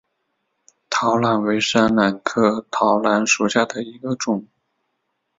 桃榄为山榄科桃榄属下的一个种。